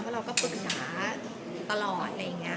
เพราะเราก็ปรึกสาตุตลอด